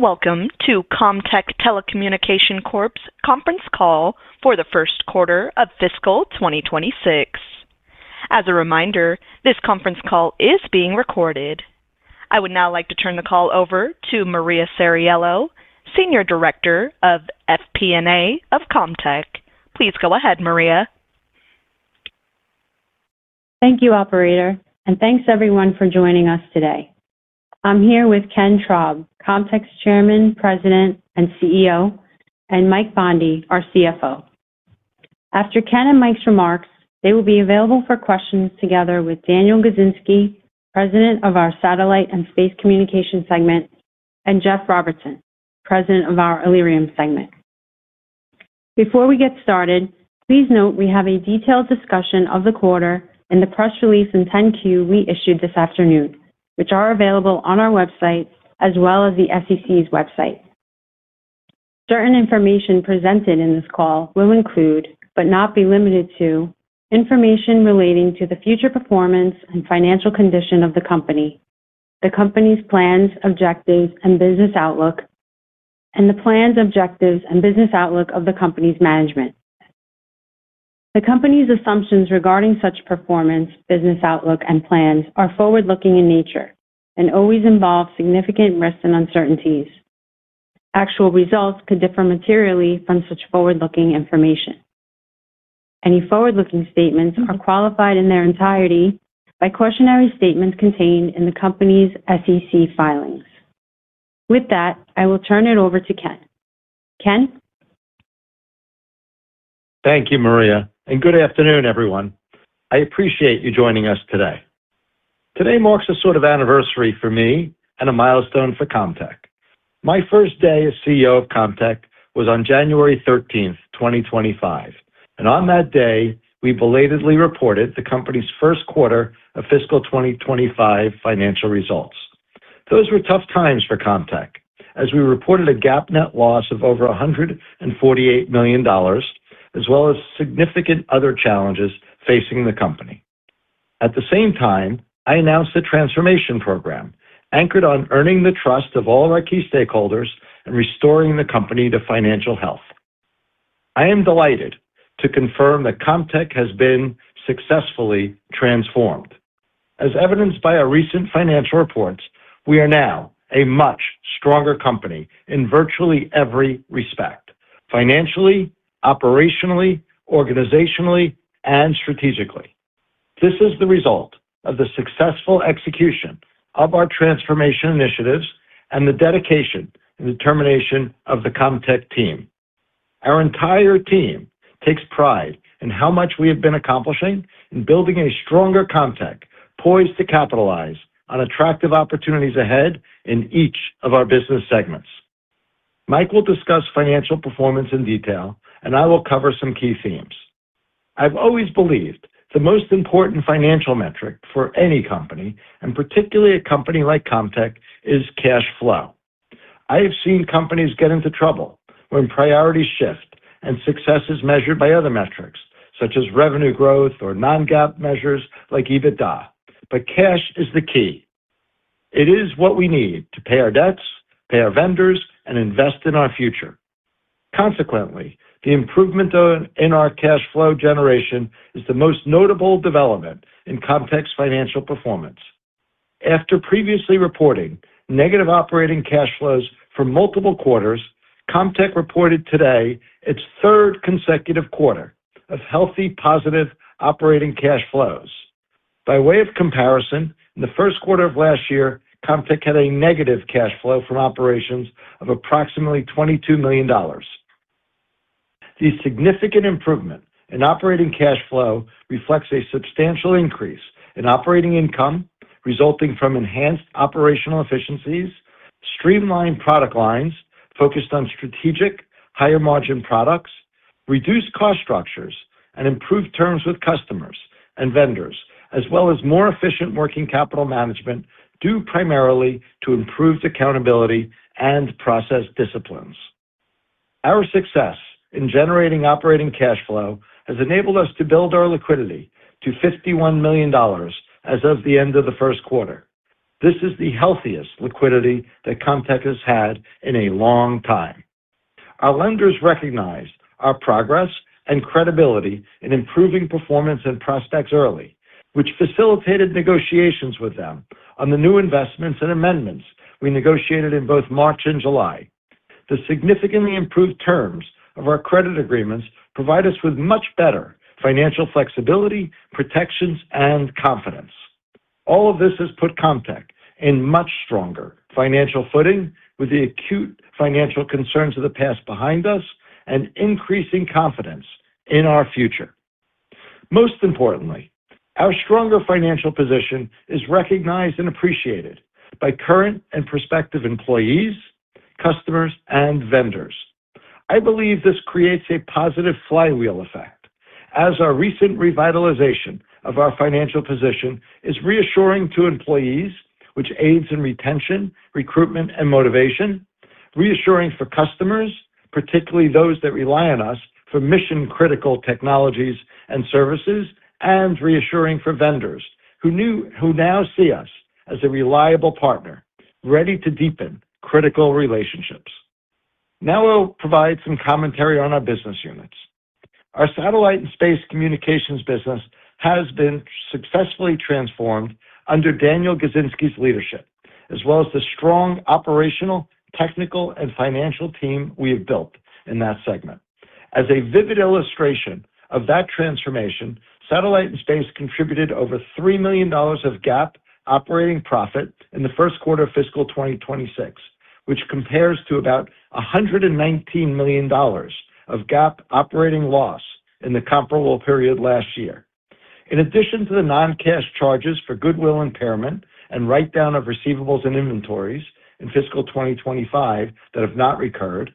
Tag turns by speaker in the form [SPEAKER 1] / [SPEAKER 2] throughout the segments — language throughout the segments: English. [SPEAKER 1] Welcome to Comtech Telecommunications Corp's conference call for the first quarter of fiscal 2026. As a reminder, this conference call is being recorded. I would now like to turn the call over to Maria Ceriello, Senior Director of FP&A of Comtech. Please go ahead, Maria.
[SPEAKER 2] Thank you, Operator, and thanks everyone for joining us today. I'm here with Ken Traub, Comtech's Chairman, President, and CEO, and Mike Bondi, our CFO. After Ken and Mike's remarks, they will be available for questions together with Daniel Gizinski, President of our Satellite and Space Communications Segment, and Jeff Robertson, President of our Allerium Segment. Before we get started, please note we have a detailed discussion of the quarter and the press release and 10-Q we issued this afternoon, which are available on our website as well as the SEC's website. Certain information presented in this call will include, but not be limited to, information relating to the future performance and financial condition of the company, the company's plans, objectives, and business outlook, and the plans, objectives, and business outlook of the company's management. The company's assumptions regarding such performance, business outlook, and plans are forward-looking in nature and always involve significant risks and uncertainties. Actual results could differ materially from such forward-looking information. Any forward-looking statements are qualified in their entirety by cautionary statements contained in the company's SEC filings. With that, I will turn it over to Ken. Ken?
[SPEAKER 3] Thank you, Maria, and good afternoon, everyone. I appreciate you joining us today. Today marks a sort of anniversary for me and a milestone for Comtech. My first day as CEO of Comtech was on January 13th, 2025, and on that day, we belatedly reported the company's first quarter of fiscal 2025 financial results. Those were tough times for Comtech, as we reported a GAAP net loss of over $148 million, as well as significant other challenges facing the company. At the same time, I announced the transformation program anchored on earning the trust of all our key stakeholders and restoring the company to financial health. I am delighted to confirm that Comtech has been successfully transformed. As evidenced by our recent financial reports, we are now a much stronger company in virtually every respect: financially, operationally, organizationally, and strategically. This is the result of the successful execution of our transformation initiatives and the dedication and determination of the Comtech team. Our entire team takes pride in how much we have been accomplishing in building a stronger Comtech poised to capitalize on attractive opportunities ahead in each of our business segments. Mike will discuss financial performance in detail, and I will cover some key themes. I've always believed the most important financial metric for any company, and particularly a company like Comtech, is cash flow. I have seen companies get into trouble when priorities shift and success is measured by other metrics, such as revenue growth or non-GAAP measures like EBITDA, but cash is the key. It is what we need to pay our debts, pay our vendors, and invest in our future. Consequently, the improvement in our cash flow generation is the most notable development in Comtech's financial performance. After previously reporting negative operating cash flows for multiple quarters, Comtech reported today its third consecutive quarter of healthy, positive operating cash flows. By way of comparison, in the first quarter of last year, Comtech had a negative cash flow from operations of approximately $22 million. The significant improvement in operating cash flow reflects a substantial increase in operating income resulting from enhanced operational efficiencies, streamlined product lines focused on strategic, higher-margin products, reduced cost structures, and improved terms with customers and vendors, as well as more efficient working capital management due primarily to improved accountability and process disciplines. Our success in generating operating cash flow has enabled us to build our liquidity to $51 million as of the end of the first quarter. This is the healthiest liquidity that Comtech has had in a long time. Our lenders recognized our progress and credibility in improving performance and prospects early, which facilitated negotiations with them on the new investments and amendments we negotiated in both March and July. The significantly improved terms of our credit agreements provide us with much better financial flexibility, protections, and confidence. All of this has put Comtech in much stronger financial footing with the acute financial concerns of the past behind us and increasing confidence in our future. Most importantly, our stronger financial position is recognized and appreciated by current and prospective employees, customers, and vendors. I believe this creates a positive flywheel effect, as our recent revitalization of our financial position is reassuring to employees, which aids in retention, recruitment, and motivation, reassuring for customers, particularly those that rely on us for mission-critical technologies and services, and reassuring for vendors who now see us as a reliable partner ready to deepen critical relationships. Now I'll provide some commentary on our business units. Our satellite and space communications business has been successfully transformed under Daniel Gizinski's leadership, as well as the strong operational, technical, and financial team we have built in that segment. As a vivid illustration of that transformation, satellite and space contributed over $3 million of GAAP operating profit in the first quarter of fiscal 2026, which compares to about $119 million of GAAP operating loss in the comparable period last year. In addition to the non-cash charges for goodwill impairment and write-down of receivables and inventories in fiscal 2025 that have not recurred,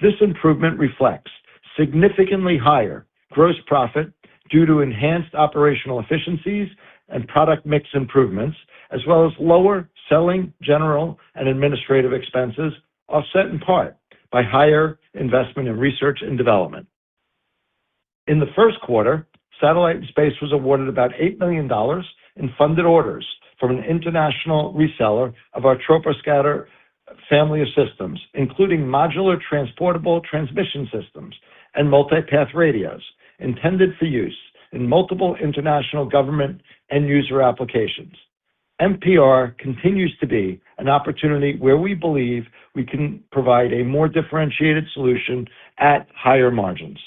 [SPEAKER 3] this improvement reflects significantly higher gross profit due to enhanced operational efficiencies and product mix improvements, as well as lower selling, general, and administrative expenses, offset in part by higher investment in research and development. In the first quarter, Satellite and Space was awarded about $8 million in funded orders from an international reseller of our Troposcatter Family of Systems, including Modular Transportable Transmission Systems and Multi-Path Radios intended for use in multiple international government end-user applications. MPR continues to be an opportunity where we believe we can provide a more differentiated solution at higher margins.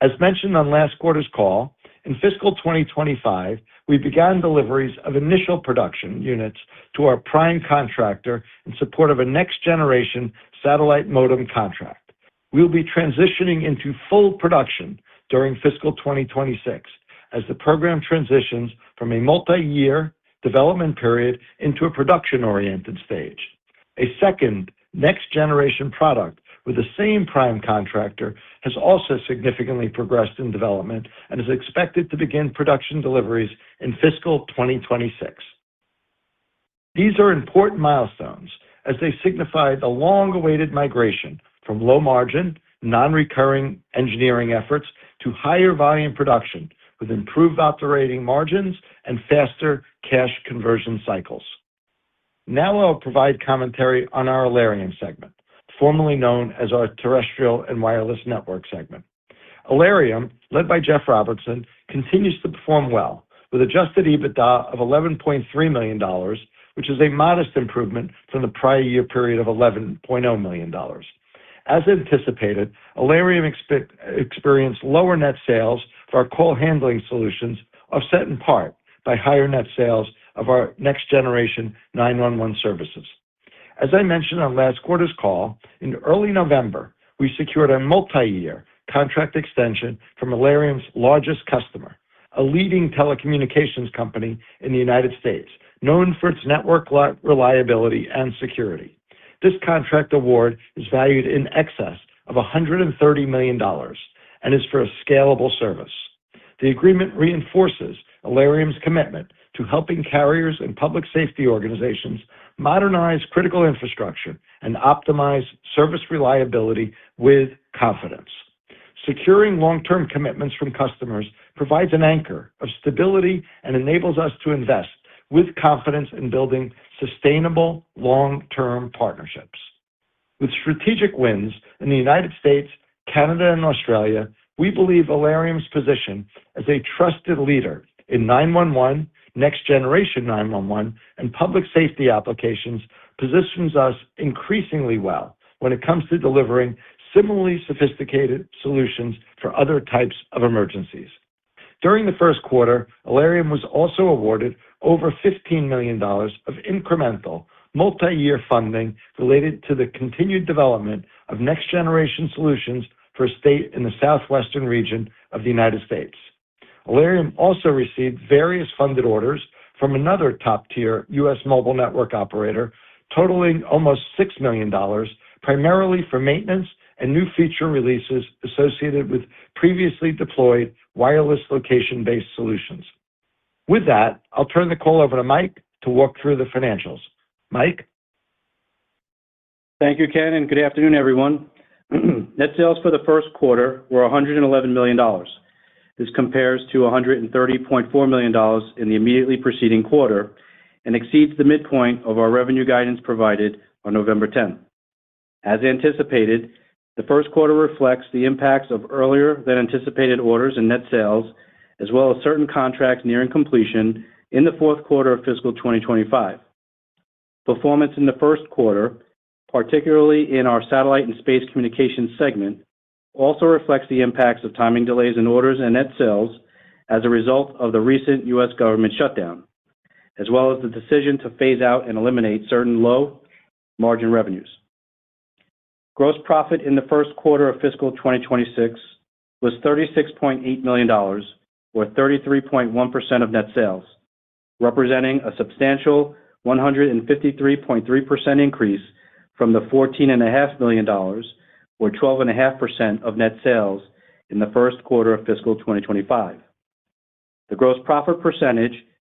[SPEAKER 3] As mentioned on last quarter's call, in fiscal 2025, we began deliveries of initial production units to our prime contractor in support of a next-generation satellite modem contract. We'll be transitioning into full production during fiscal 2026, as the program transitions from a multi-year development period into a production-oriented stage. A second next-generation product with the same prime contractor has also significantly progressed in development and is expected to begin production deliveries in fiscal 2026. These are important milestones as they signify the long-awaited migration from low-margin, non-recurring engineering efforts to higher-volume production with improved operating margins and faster cash conversion cycles. Now I'll provide commentary on our Allerium segment, formerly known as our terrestrial and wireless network segment. Allerium, led by Jeff Robertson, continues to perform well, with adjusted EBITDA of $11.3 million, which is a modest improvement from the prior year period of $11.0 million. As anticipated, Allerium experienced lower net sales for our Call Handling Solutions, offset in part by higher net sales of our Next-Generation 911 services. As I mentioned on last quarter's call, in early November, we secured a multi-year contract extension from Allerium's largest customer, a leading telecommunications company in the United States, known for its network reliability and security. This contract award is valued in excess of $130 million and is for a scalable service. The agreement reinforces Allerium's commitment to helping carriers and public safety organizations modernize critical infrastructure and optimize service reliability with confidence. Securing long-term commitments from customers provides an anchor of stability and enables us to invest with confidence in building sustainable long-term partnerships. With strategic wins in the United States, Canada, and Australia, we believe Allerium's position as a trusted leader in 911, Next-Generation 911, and public safety applications positions us increasingly well when it comes to delivering similarly sophisticated solutions for other types of emergencies. During the first quarter, Allerium was also awarded over $15 million of incremental multi-year funding related to the continued development of next-generation solutions for a state in the southwestern region of the United States. Allerium also received various funded orders from another top-tier U.S. mobile network operator, totaling almost $6 million, primarily for maintenance and new feature releases associated with previously deployed wireless location-based solutions. With that, I'll turn the call over to Mike to walk through the financials. Mike.
[SPEAKER 4] Thank you, Ken, and good afternoon, everyone. Net sales for the first quarter were $111 million. This compares to $130.4 million in the immediately preceding quarter and exceeds the midpoint of our revenue guidance provided on November 10. As anticipated, the first quarter reflects the impacts of earlier-than-anticipated orders and net sales, as well as certain contracts nearing completion in the fourth quarter of fiscal 2025. Performance in the first quarter, particularly in our satellite and space communications segment, also reflects the impacts of timing delays in orders and net sales as a result of the recent U.S. government shutdown, as well as the decision to phase out and eliminate certain low-margin revenues. Gross profit in the first quarter of fiscal 2026 was $36.8 million, or 33.1% of net sales, representing a substantial 153.3% increase from the $14.5 million, or 12.5% of net sales in the first quarter of fiscal 2025. The gross profit percentage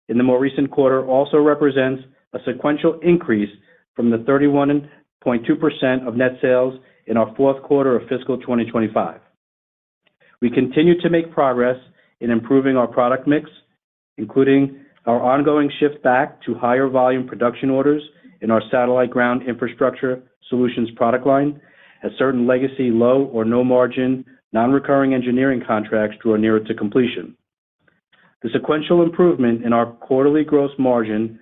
[SPEAKER 4] in the more recent quarter also represents a sequential increase from the 31.2% of net sales in our fourth quarter of fiscal 2025. We continue to make progress in improving our product mix, including our ongoing shift back to higher-volume production orders in our satellite ground infrastructure solutions product line, as certain legacy low- or no-margin non-recurring engineering contracts draw nearer to completion. The sequential improvement in our quarterly gross margin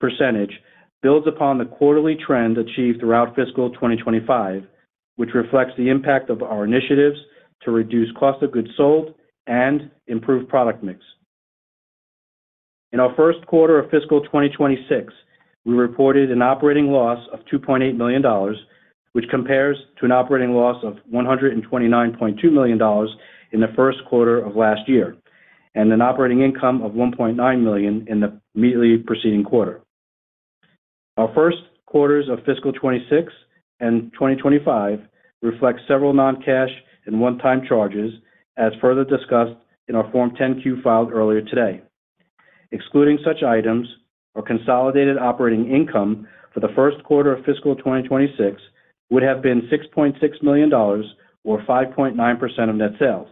[SPEAKER 4] percentage builds upon the quarterly trend achieved throughout fiscal 2025, which reflects the impact of our initiatives to reduce cost of goods sold and improve product mix. In our first quarter of fiscal 2026, we reported an operating loss of $2.8 million, which compares to an operating loss of $129.2 million in the first quarter of last year, and an operating income of $1.9 million in the immediately preceding quarter. Our first quarters of fiscal 2026 and 2025 reflect several non-cash and one-time charges, as further discussed in our Form 10-Q filed earlier today. Excluding such items, our consolidated operating income for the first quarter of fiscal 2026 would have been $6.6 million, or 5.9% of net sales,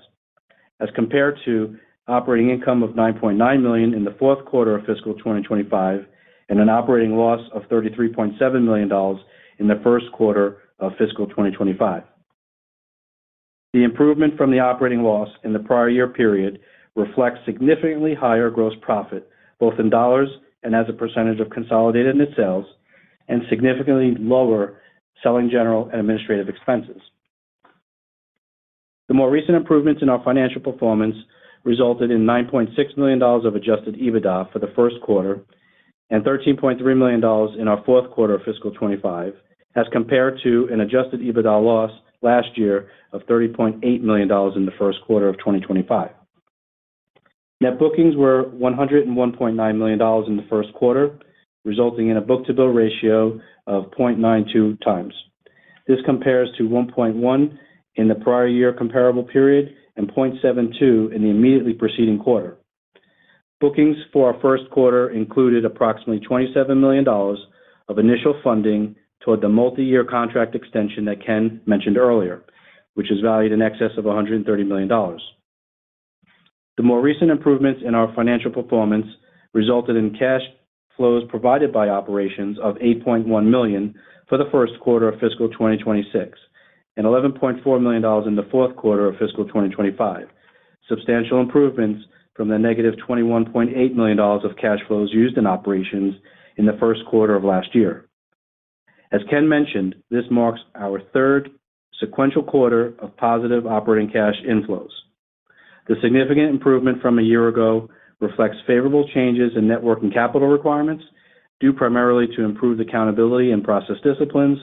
[SPEAKER 4] as compared to operating income of $9.9 million in the fourth quarter of fiscal 2025 and an operating loss of $33.7 million in the first quarter of fiscal 2025. The improvement from the operating loss in the prior year period reflects significantly higher gross profit, both in dollars and as a percentage of consolidated net sales, and significantly lower selling, general, and administrative expenses. The more recent improvements in our financial performance resulted in $9.6 million of Adjusted EBITDA for the first quarter and $13.3 million in our fourth quarter of fiscal 2025, as compared to an Adjusted EBITDA loss last year of $30.8 million in the first quarter of 2025. Net bookings were $101.9 million in the first quarter, resulting in a book-to-bill ratio of 0.92x. This compares to 1.1 in the prior year comparable period and 0.72 in the immediately preceding quarter. Bookings for our first quarter included approximately $27 million of initial funding toward the multi-year contract extension that Ken mentioned earlier, which is valued in excess of $130 million. The more recent improvements in our financial performance resulted in cash flows provided by operations of $8.1 million for the first quarter of fiscal 2026 and $11.4 million in the fourth quarter of fiscal 2025, substantial improvements from the -$21.8 million of cash flows used in operations in the first quarter of last year. As Ken mentioned, this marks our third sequential quarter of positive operating cash inflows. The significant improvement from a year ago reflects favorable changes in network and capital requirements due primarily to improved accountability and process disciplines,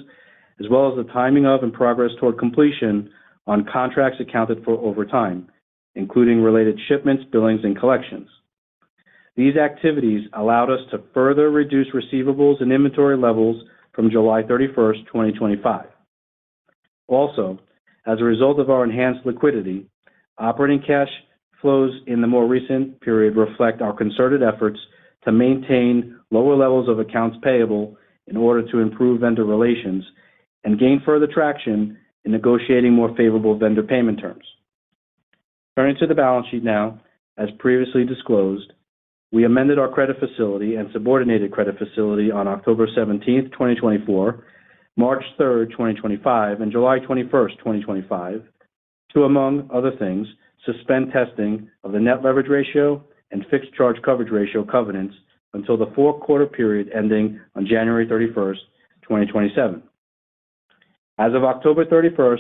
[SPEAKER 4] as well as the timing of and progress toward completion on contracts accounted for over time, including related shipments, billings, and collections. These activities allowed us to further reduce receivables and inventory levels from July 31, 2025. Also, as a result of our enhanced liquidity, operating cash flows in the more recent period reflect our concerted efforts to maintain lower levels of accounts payable in order to improve vendor relations and gain further traction in negotiating more favorable vendor payment terms. Turning to the balance sheet now, as previously disclosed, we amended our credit facility and subordinated credit facility on October 17th, 2024, March 3rd, 2025, and July 21st, 2025, to, among other things, suspend testing of the net leverage ratio and fixed charge coverage ratio covenants until the fourth quarter period ending on January 31st, 2027. As of October 31st,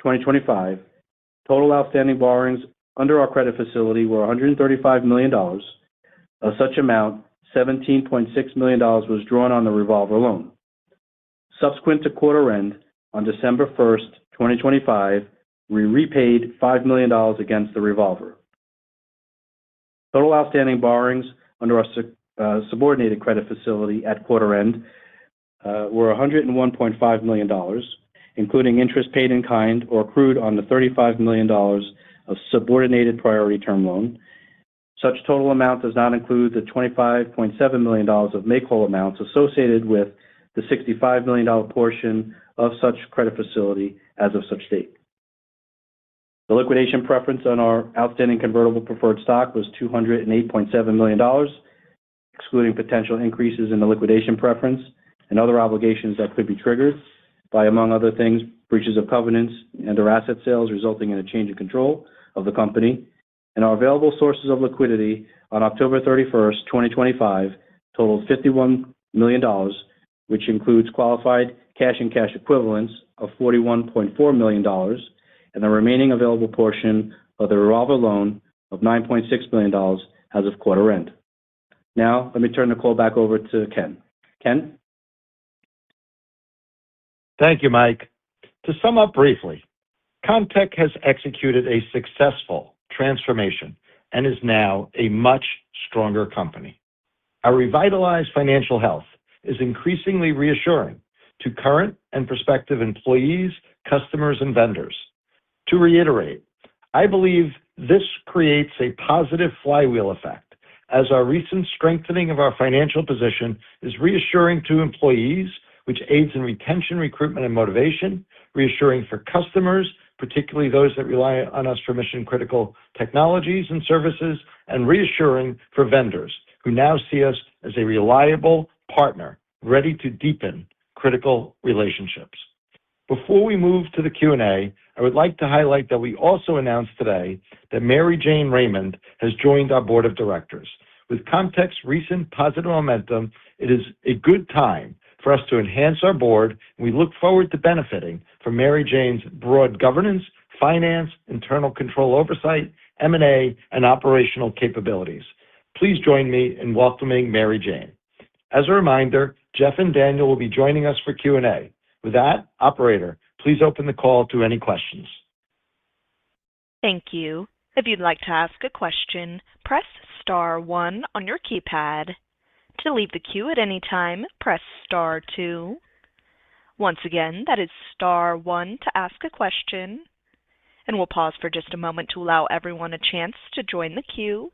[SPEAKER 4] 2025, total outstanding borrowings under our credit facility were $135 million. Of such amount, $17.6 million was drawn on the revolver loan. Subsequent to quarter end on December 1st, 2025, we repaid $5 million against the revolver. Total outstanding borrowings under our subordinated credit facility at quarter end were $101.5 million, including interest paid in kind or accrued on the $35 million of subordinated priority term loan. Such total amount does not include the $25.7 million of make-whole amounts associated with the $65 million portion of such credit facility as of such date. The liquidation preference on our outstanding convertible preferred stock was $208.7 million, excluding potential increases in the liquidation preference and other obligations that could be triggered by, among other things, breaches of covenants and/or asset sales resulting in a change of control of the company, and our available sources of liquidity on October 31st, 2025, totaled $51 million, which includes qualified cash and cash equivalents of $41.4 million, and the remaining available portion of the revolver loan of $9.6 million as of quarter end. Now, let me turn the call back over to Ken. Ken?
[SPEAKER 3] Thank you, Mike. To sum up briefly, Comtech has executed a successful transformation and is now a much stronger company. Our revitalized financial health is increasingly reassuring to current and prospective employees, customers, and vendors. To reiterate, I believe this creates a positive flywheel effect, as our recent strengthening of our financial position is reassuring to employees, which aids in retention, recruitment, and motivation, reassuring for customers, particularly those that rely on us for mission-critical technologies and services, and reassuring for vendors who now see us as a reliable partner ready to deepen critical relationships. Before we move to the Q&A, I would like to highlight that we also announced today that Mary Jane Raymond has joined our board of directors. With Comtech's recent positive momentum, it is a good time for us to enhance our board, and we look forward to benefiting from Mary Jane's broad governance, finance, internal control oversight, M&A, and operational capabilities. Please join me in welcoming Mary Jane. As a reminder, Jeff and Daniel will be joining us for Q&A. With that, Operator, please open the call to any questions.
[SPEAKER 1] Thank you. If you'd like to ask a question, press star one on your keypad. To leave the queue at any time, press star two. Once again, that is star one to ask a question. And we'll pause for just a moment to allow everyone a chance to join the queue.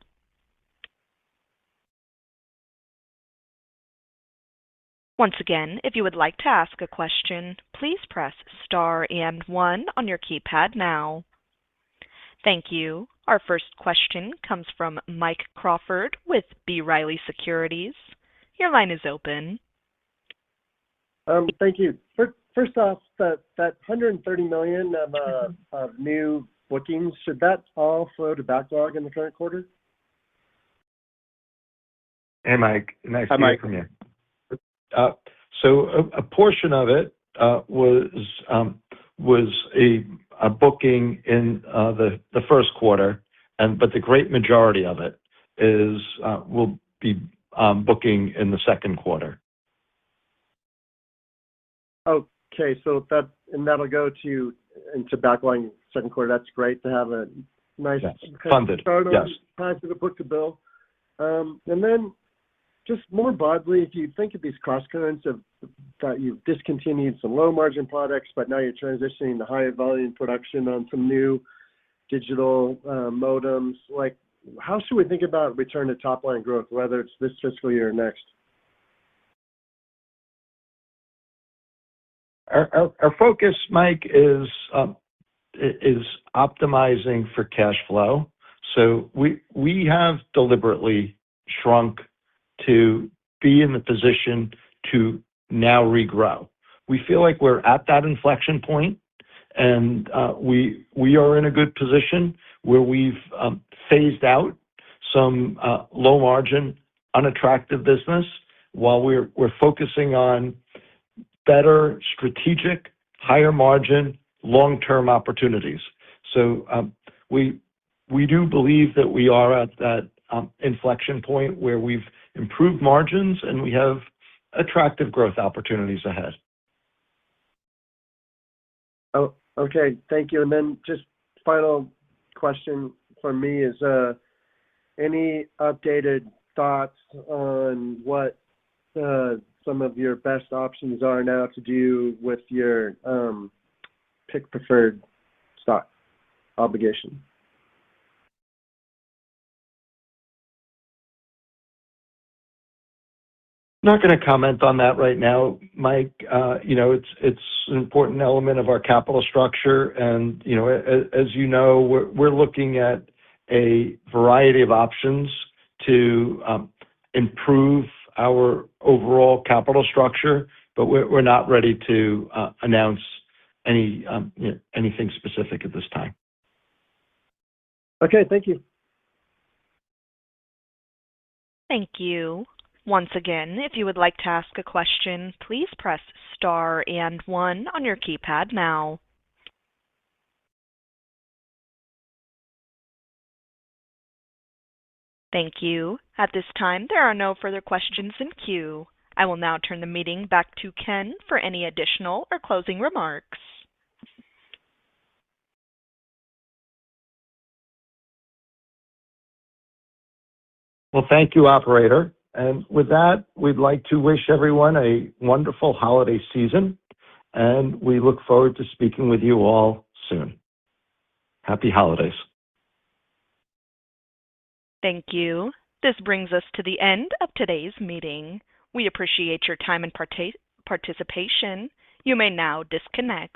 [SPEAKER 1] Once again, if you would like to ask a question, please press star and one on your keypad now. Thank you. Our first question comes from Mike Crawford with B. Riley Securities. Your line is open.
[SPEAKER 5] Thank you. First off, that $130 million of new bookings, should that all flow to backlog in the current quarter?
[SPEAKER 3] Hey, Mike. Nice to hear from you. So a portion of it was a booking in the first quarter, but the great majority of it will be booking in the second quarter.
[SPEAKER 5] Okay. And that'll go to backlog in the second quarter. That's great to have a nice turnover positive book-to-bill. And then just more broadly, if you think of these cross-currents of that you've discontinued some low-margin products, but now you're transitioning to higher volume production on some new digital modems, how should we think about return to top-line growth, whether it's this fiscal year or next?
[SPEAKER 3] Our focus, Mike, is optimizing for cash flow. So we have deliberately shrunk to be in the position to now regrow. We feel like we're at that inflection point, and we are in a good position where we've phased out some low-margin, unattractive business while we're focusing on better strategic, higher-margin, long-term opportunities. So we do believe that we are at that inflection point where we've improved margins and we have attractive growth opportunities ahead.
[SPEAKER 5] Okay. Thank you. And then just final question for me is any updated thoughts on what some of your best options are now to do with your PIK preferred stock obligation?
[SPEAKER 3] I'm not going to comment on that right now, Mike. It's an important element of our capital structure. And as you know, we're looking at a variety of options to improve our overall capital structure, but we're not ready to announce anything specific at this time.
[SPEAKER 5] Okay. Thank you.
[SPEAKER 1] Thank you. Once again, if you would like to ask a question, please press star and one on your keypad now. Thank you. At this time, there are no further questions in queue. I will now turn the meeting back to Ken for any additional or closing remarks.
[SPEAKER 3] Thank you, Operator. With that, we'd like to wish everyone a wonderful holiday season, and we look forward to speaking with you all soon. Happy holidays.
[SPEAKER 1] Thank you. This brings us to the end of today's meeting. We appreciate your time and participation. You may now disconnect.